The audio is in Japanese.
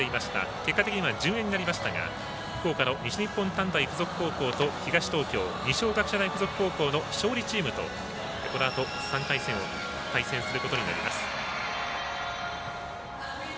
結果的には順延になりましたが福岡の西日本短大付属と東東京、二松学舎大付属高校の勝利チームとこのあと３回戦を対戦することになります。